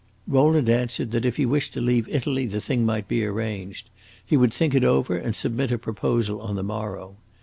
Rowland answered that if he wished to leave Italy the thing might be arranged; he would think it over and submit a proposal on the morrow.